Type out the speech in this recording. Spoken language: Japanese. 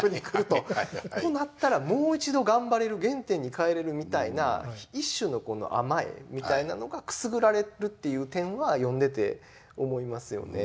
となったらもう一度頑張れる原点に帰れるみたいな一種のこの甘えみたいなのがくすぐられるっていう点は読んでて思いますよね。